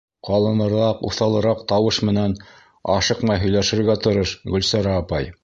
Ҡалыныраҡ, уҫалыраҡ тауыш менән, ашыҡмай һөйләшергә тырыш, Гөлсара апай.